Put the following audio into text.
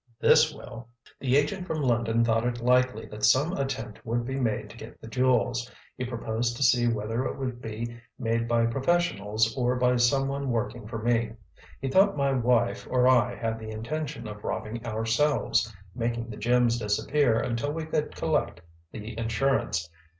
"This will. The agent from London thought it likely that some attempt would be made to get the jewels. He proposed to see whether it would be made by professionals or by some one working for me. He thought my wife or I had the intention of robbing ourselves—making the gems disappear until we could collect the insurance.